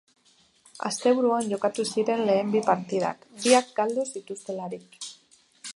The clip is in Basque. Asteburuan jokatu ziren lehen bi partidak, biak galdu zituztelarik.